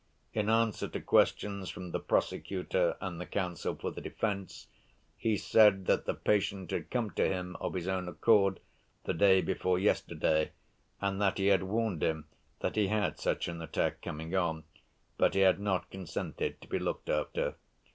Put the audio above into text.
In answer to questions from the prosecutor and the counsel for the defense he said that the patient had come to him of his own accord the day before yesterday and that he had warned him that he had such an attack coming on, but he had not consented to be looked after.